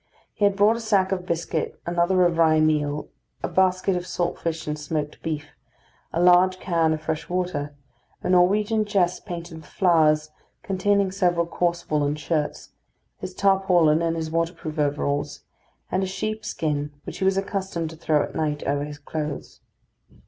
He had brought a sack of biscuit, another of rye meal, a basket of salt fish and smoked beef, a large can of fresh water; a Norwegian chest painted with flowers, containing several coarse woollen shirts, his tarpaulin and his waterproof overalls, and a sheepskin which he was accustomed to throw at night over his clothes.